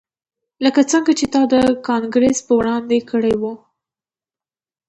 لکه څنګه چې تا د کانګرس په وړاندې کړي وو